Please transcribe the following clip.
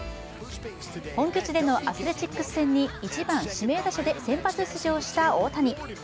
本拠地でのアスレチックス戦に１番・指名打者で先発出場した大谷。